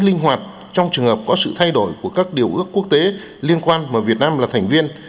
linh hoạt trong trường hợp có sự thay đổi của các điều ước quốc tế liên quan mà việt nam là thành viên